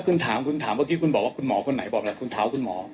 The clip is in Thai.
คุณถามคุณถามเมื่อกี้คุณบอกว่าคุณหมอคนไหนบอกแล้วคุณถามคุณหมอ